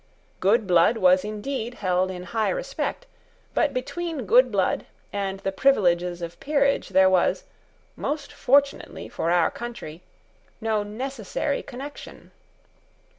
Good blood was indeed held in high respect: but between good blood and the privileges of peerage there was, most fortunately for our country, no necessary connection.